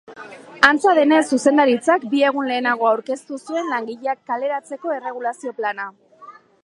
Antza denez, zuzendaritzak bi egun lehenago aurkeztu zuen langileak kaleratzeko erregulazio plana.